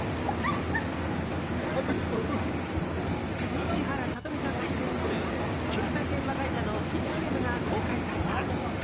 石原さとみさんが出演する携帯電話会社の新ＣＭが公開された。